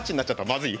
まずい？